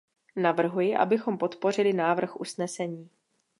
Navrhuji, abychom podpořili návrh usnesení.